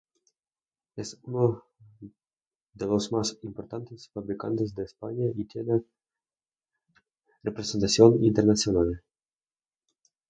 Es uno de los más importantes fabricantes de España y tiene representación internacional.